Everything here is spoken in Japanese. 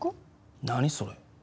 何それ？